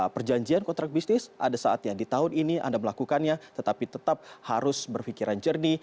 perjanjian kontrak bisnis ada saatnya di tahun ini anda melakukannya tetapi tetap harus berpikiran jernih